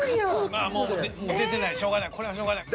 まあもう出てないしょうがない。これはしょうがない。